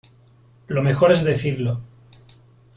lo mejor es decirlo .